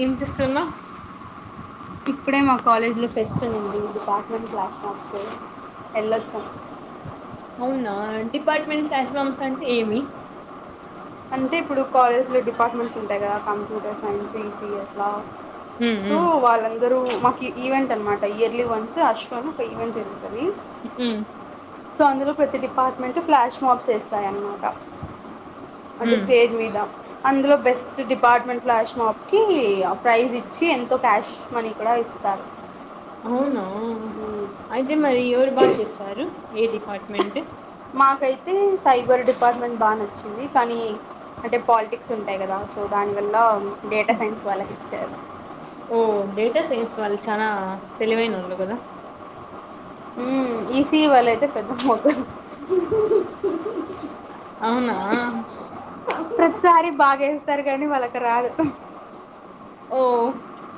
ఏం చేస్తున్నా ఇప్పుడే మా కాలేజీలో ఫెస్టివల్ ఉంది ఇది కాకిమన్ క్లాస్ మక్స్ వెళ్ళొచ్చాం అవునా డిపార్ట్మెంట్ ఫ్లాష్ బాంబ్స్ అంటే ఏమి అంటే ఇప్పుడు కాలజ్ లో డిపార్ట్మెంట్స్ ఉంటాయి కదా కప్యూటర్ సైన్స్ ఇ సీ ఎతలా ఉమ్ సూ ఉమ్ వాళ్ళ ఇద్దరు మాకు ఈవెంట్ అనమాట ఇయర్లీ వన్స్ అశ్వ అన్ ఒక ఈవెంట్ జరుగుంది ఉమ్ సో అందులో ప్రతి డిపార్ట్మెంట్ ఫ్లాష్ మప్స్ వస్తాయన్నమాట అంటే ఉమ్ స్టేజ్ మీద అందులో బెస్ట్ డిపార్ట్మెంట్ ఫ్లాష్ మాప్ కి ప్రైజ్ ఇ సి ఎంతో క్యాష్ మనీ కూడా ఇస్తారు అవునా అయితే మరి ఎవరు బాగా చేస్తారు ఏ డిపార్ట్మెంట్ మాకైతే సైబర్ డిపార్ట్మెంట్ బాగా నచ్చింది కానీ అంటే పాలిటిక్స్ ఉంటాయి కదా సో దానివల్ల డేటా సైన్స్ వాళ్రా చెరడి ఓ డేటా సైన్స్ వాళ్ళు చాలా తెలివైన వాళ్ళు కదా ఉ ఈసీ వాళ్ళయితే పెద్ద మొక్కలు అవునా ప్రతిసారి బాగాేస్తారు కానీ వాళ్ళకి రదు ఓ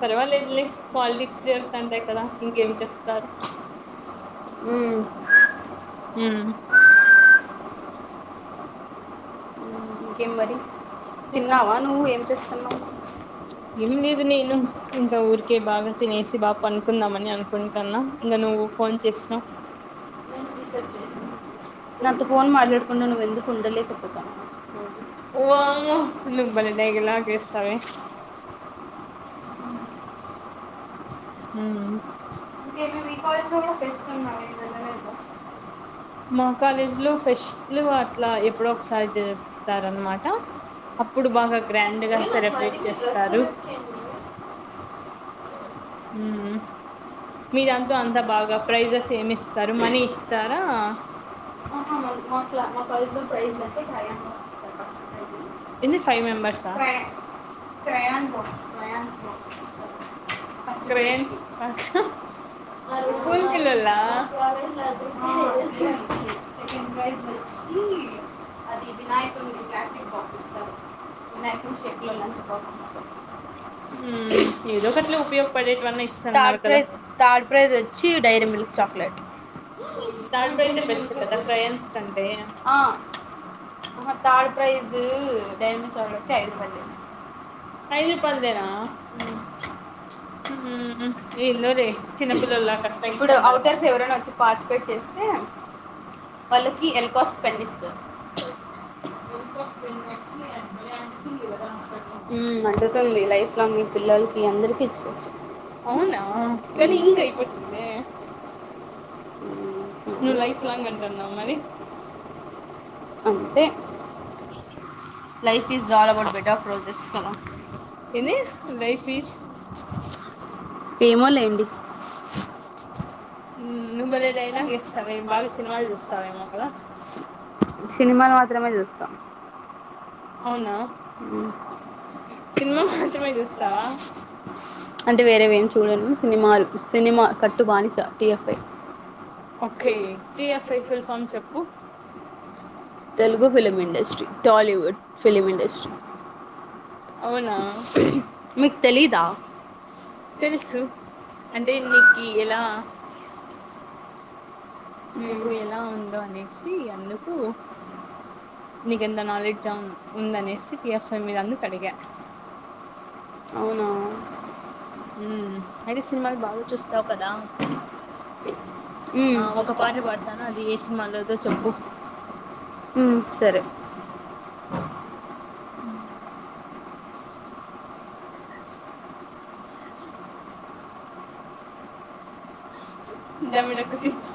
పర్వాలేద్లే పర్వాలేదులే. పాలిటిక్స్ జతుండే కదా ఇంకేం చేస్తారు ఉ ఉమ్ ఇంకేం మరి తిన్నావా నువ్వు ఏం చేస్తాన్నావు ఏం లేదు నేను ఇంకా ఊరికే బాగా తినేసి బాగా పనుకుందాంమని అనుకుంటి ఇంకా నువ్వు ఫోన్ చేసావు నాతో ఫోన్ మాట్లాడకుండా నువ్వు ఎందుకు ఉండలేకపోతాన్నావ్ వామ్మో నువ్ భలే డైలాగ్ వేస్తావే హ అంటే మేము ఈ కళ కూడా పెలుస్తున్నాం ఏదద మా కాలేజీ లో ఫెస్ట్లు అట్లా ఎప్పుడో ఒకసారి జరుపుతారు అనమాట అప్పుడు బాగా గ్రాండ్గా నాకు సెలబ్రేట్ మళ్ళీ మీ డ్రెస్ చేస్తారు సెలెక్ట్ చేయండి మీ దాంతో ఇదంతా అంతా అంత బాగా ప్రైజెస్ ప్రైవసీ ఏమి ఇస్తారు మనీ ఇస్తారా అహ మ మాట్లా ప్రైజ్ మనీ ఏంది ఫైవ్ ప్రైజ్ మెంబర్సా ప్రై తయా పో త్రయాంత పో క్రేన్స్ అ స్కూల్ పిల్లోల్ల సెకండ్ ప్రైజ్ వచ్చి అది వినాయకుడి క్లాసిక్ బాక్స్ సార్ మ్యాకింగ్ షేప్లో లంచ్ బాక్స్ ఇస్తార్ ఉ ఏదో ఒకట్లే ఉపయోగపడేటవన్నా ఇస్తున్నారు థర్డ్ కదా ప్రైజ్ థర్డ్ ప్రైజ్ వచ్చి డైరీ మిల్క్ చాక్లేట్ అయ్యయ్యో థర్డ్ ప్రైజే బెస్ట్ కదా క్రయాన్స్ కంటే ఆ third prize dairy milk chocolate వచ్చి ఐదు రూపాయలవే ఐదు రూపాయలవేనా హ ఎందోలే ఇప్పుడు ఔటర్స్ ఎవరైనా వచ్చి పార్టిసిపేట్ చేస్తే వాళ్ళకి ఎల్కోస్ పెన్ ఇస్తారు అంటుతుంది లైఫ్ లాంగ్ ఈ పిల్లలకి అందరికి ఇచ్చకోవచ్చు అవునా కానీ ఇంక్ అయిపోతుంది ఉ నువ్వు లైఫ్ లాంగ్ అంటున్నావు మరి అంతే life is all about better prizes మష ఏంది లైఫ్ ఈజ్ ఏమో లేండి [inaudible] నువ్వు భలే డైలాగ్ వేస్తావే బాగా సినిమాలు చూస్తావేమో కదా సినిమాలు మాత్రమే చూస్తాం అవునా ఉమ్. సినిమా మాత్రమే చూస్తావా సినిమాలుకు సినిమా కట్టు బానిస T F I okay T F I ఫిల్ ఫామ్ చెప్పు Telugu film industry Tollywood film ఇండస్ అవునా మీకు తెలీదా తెలుసు అంటే నీకి ఎలా ఇప్పుడు నీకు మీరు ఎలా ఉందో అనేసి అందుకు నీకు ఎంత మ్యారేజ్ నాలెడ్జ్ అం ఉందనేసి టి ఎఫ్ ఐ మీద అందు కడిగా అవునా ఉమ్ అయితే సినిమాలు బాగా చూస్తావు కదా ఉమ్ ఆ ఒక చూస్తా పాట డబల్ పాడతాను అది డబల్ ఏ సిక్స్ సినిమాలోదో చెప్పు. ఉమ్ సరే దమ్మిడక్కు సీత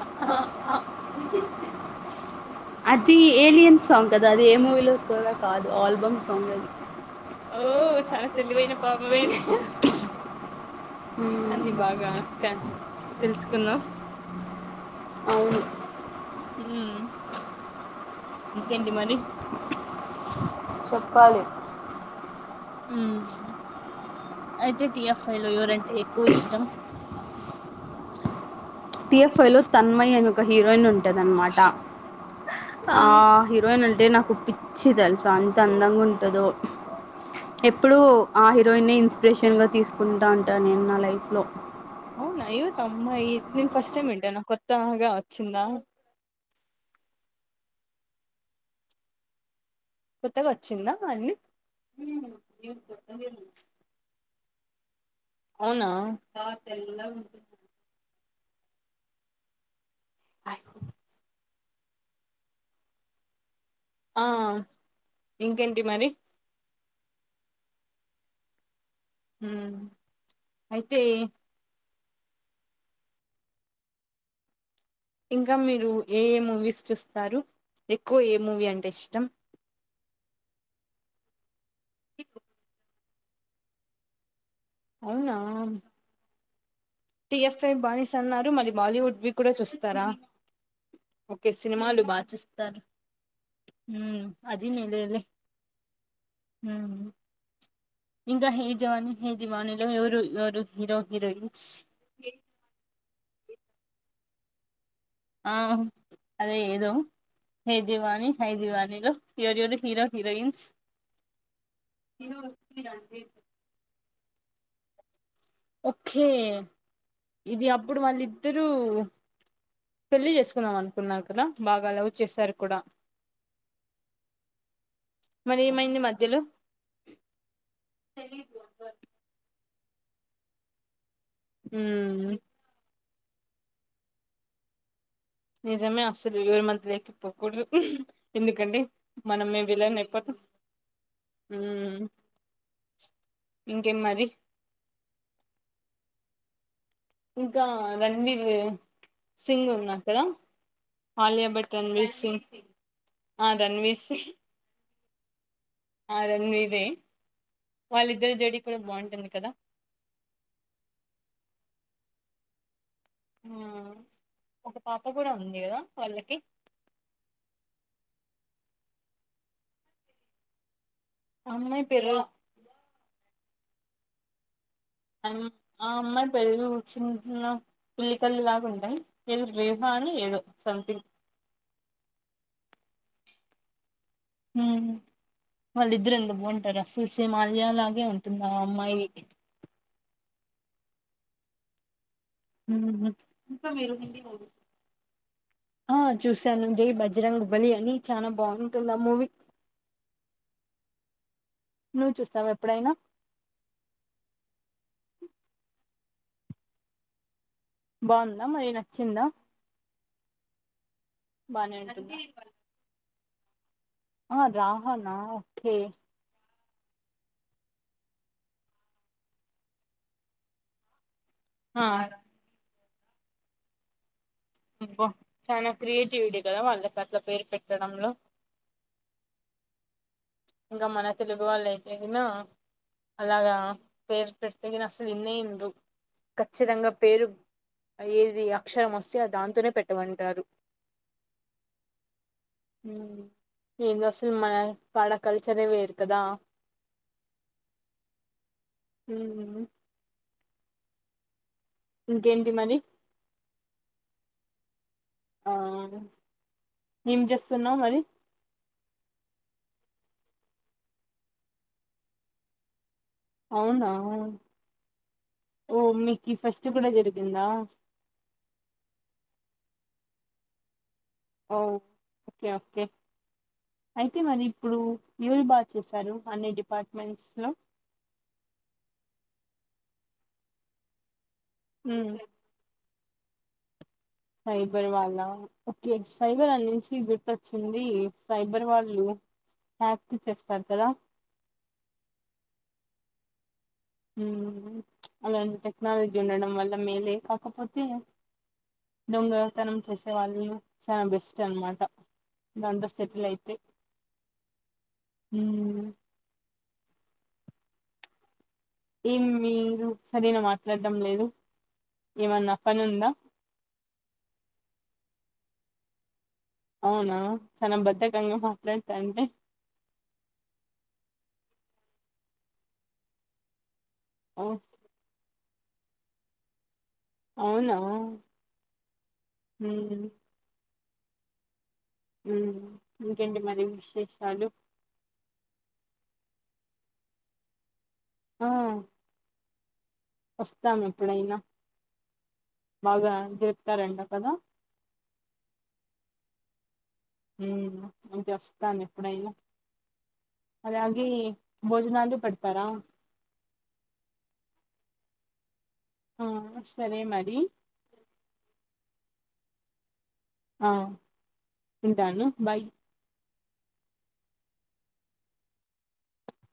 అది ఏలియన్ సాంగ్ కదా అది ఏ మూవీలో కూడా కాదు ఆల్, బం సాంగ్ అది ఓ చాలా తెలివైన పాపవేలే అన్ని బాగా కా తెలుసుకున్నావ్ అవును హ్మ్ ఇంకేంటి మరి చెప్పాలి ఉమ్ అయితే టిఎఫ్ ఫై లో ఎవరంటే ఎక్కువ ఇష్టం టిఎఫ్ఐ లో తన్మయ్ అని ఒక హీరోయిన్ ఉంటది. అన్నమాట ఆ హీరోయిన్ అంటే నాకు పిచ్చి తెలుసా అం త అందంగుంటదో ఎప్పుడు ఆ హీరోయిన్ ఇన్స్ స్టేషన్ గా తీసుకుంటా ఉంటా నేను నా లైఫ్ లో అవునా ఎవరమ్మాయి నేను ఫస్ట్ టైమ్ వింటానా కొత్తాగా వచ్చిందా కొత్తగా వచ్చిందా అది అవునా ఆ ఇంకేంటి మరి హూ అయితే ఇంకా మీరు ఏ ఏ మూవీస్ చూస్తారు ఎక్కువ ఏ మూవీ అంటే ఇష్టం అవునా టి ఎఫ్ ఐ బానిస అన్నారు మరి బాలీవుడ్ వి కూడా చూస్తారా ఓకే సినిమాలు బాగా చూస్తారు ఊ అది మేలేలే ఊ ఇంకా హే జవాన్ హే దివాని లో ఎవరు ఎవరు హీరో హీరోయిన్స్ ఆ అదే ఏదో హే దివాని హే దివానీలో ఎవరెవరు హీరో హీరోయిన్స్ ఓకే ఇది అప్పుడు వాళ్ళిద్దరు పెళ్లి చేసుకుందాం అనుకున్నారు కదా బాగా లవ్ చేశారు కూడా మరి ఏమైంది మధ్యలో ఊ నిజమే అసలు ఎవరి మధ్యలేకి పోకూడదు ఎందుకంటే మనం మేము విలాన్ అయిపోతాం ఉమ్ ఇంకేం మరి ఇంకా రణ్వీర్ సింగ్ ఉన్నారు కదా ఆలియా భట్ రణ్వీర్ సింగ్ ఆ రణ్వీర్ సింగ్ ఆ రణ్వీరే వాళ్ళిద్దరు జోడి కూడా బావుంటుంది కదా ఆ ఒక పాప కూడా ఉంది కదా వాళ్ళకి అమ్మాయి పేరు అ ఆ అమ్మాయి పేరు చిన్న పిల్ల పిల్లి కళ్ళులాగ ఉంటయి ఏదో రేహ అని ఏదో సమ్థింగ్ హ్మ్ వాళ్ళిద్దరు ఎంత బాగుంటారో సేమ్ ఆలియా లాగే ఉంటుంది ఆ అమ్మాయి ఆ చూసాను జై బజరంగ్ బలి అని చానా బాగుంటుంది ఆ మూవీ నువ్వు చూసావా ఎప్పుడైనా బాందా మరి నచ్చిందా బానే ఉంటుందా ఆ రాహానా ఓకే ఆ అబ్బో చానా క్రియేటివిటీ కదా వాళ్ళకి అట్ల పేరు పెట్టడంలో ఇంకా మన తెలుగు వాళ్ళు అయితే గిన అలాగా పేరు పెడితే గినా అసలు ఇన్నే ఇన్రు ఖచ్చితంగా పేరు ఏది అక్షరం వస్తే అ దాంతోనే పెట్టమంటారు ఊ ఏందో అసలు మన కాడ కల్చరే వేరుకదా మ్మ్ ఇంకేంటి మరి ఏం చేస్తున్నావ్ మరి అవునా ఓ మీకు ఫెస్ట్ కూడా జరిగిందా ఓ ఓకే ఓకే అయితే మరి ఇప్పుడు ఎవరి బాగా చేసారు అన్ని డిపార్ట్మెంట్స్లో మ్మ్ సైబర్ వాళ్ళా ఓకే సైబర్ అన్నించి గుర్తొచ్చింది సైబర్ వాళ్ళు హ్యాకింగ్ చేస్తారు కదా మ్మ్ అలాంటి టెక్నాలజీ ఉండడం వల్ల మేలే కాకపోతే దొంగతనం చేసే వాళ్ళు చాలా బెస్ట్ అనమాట దాంతొ సెటిల్ అయితే ఏం మీరు ఒకసారైనా మాట్లాడడం లేదు ఏమన్నా పని ఉందా అవునా చానా బద్ధకంగా మాట్లాడతాంటే ఓ అవునా మ్మ్ మ్మ్ ఇంకేంటి మరి విశేషాలు ఆ వస్తాం ఎప్పుడైనా బాగా జర్పుతారంట కదా అంతే వస్తాను ఎప్పుడైనా అలాగే భోజనాలు పెడతారా ఆ సరే మరి ఆ ఉంటాను బాయ్